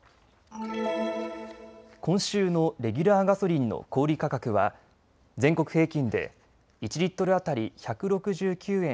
今週のレギュラーガソリンの小売価格は全国平均で１リットル当たり１６９円